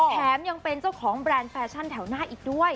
แถมยังเป็นเจ้าของแบรนด์แฟชั่นแถวหน้าอีกด้วย